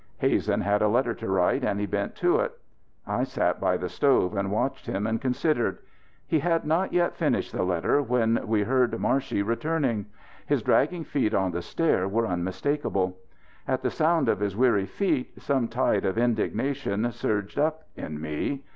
Hazen had a letter to write and he bent to it. I sat by the stove and watched him and considered. He had not yet finished the letter when we heard Marshey returning. His dragging feet on the stair were unmistakable. At the sound of his weary feet some tide of indignation surged up in me.